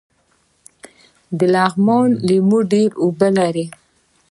د لغمان لیمو ډیر اوبه لري